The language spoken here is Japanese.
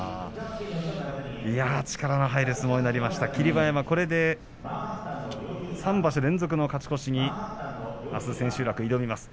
力の入る相撲になりました霧馬山、これで３場所連続の勝ち越しにあす千秋楽へ挑みます。